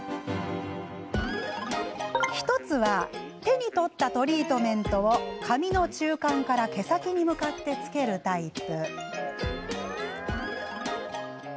１つは、手に取ったトリートメントを髪の中間から毛先に向かってつけるタイプ。